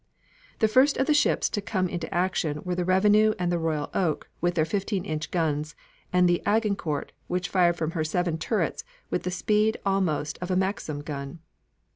The first of the ships to come into action were the Revenue and the Royal Oak with their fifteen inch guns, and the Agincourt which fired from her seven turrets with the speed almost of a Maxim gun.